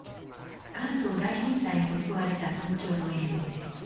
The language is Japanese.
関東大震災に襲われた東京の映像です。